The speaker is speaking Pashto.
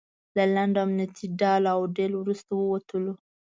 له لنډ امنیتي ډال او ډیل وروسته ووتلو.